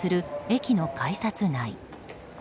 駅の改札内。